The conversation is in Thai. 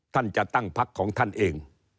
ท่านจะตั้งพักของท่านเอง